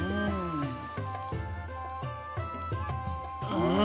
うん！